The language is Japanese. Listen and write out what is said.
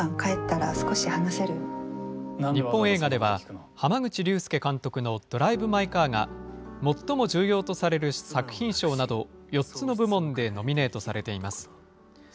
日本映画では、濱口竜介監督のドライブ・マイ・カーが、最も重要とされる作品賞など４つの部門でノミネートされています。